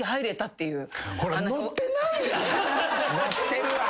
ノってるわ。